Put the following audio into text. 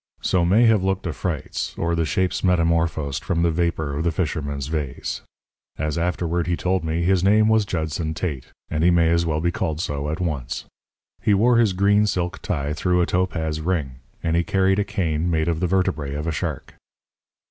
So may have looked afrites or the shapes metamorphosed from the vapour of the fisherman's vase. As he afterward told me, his name was Judson Tate; and he may as well be called so at once. He wore his green silk tie through a topaz ring; and he carried a cane made of the vertebræ of a shark.